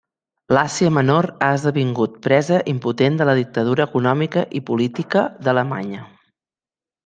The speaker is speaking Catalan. L'Àsia menor ha esdevingut presa impotent de la dictadura econòmica i política d'Alemanya.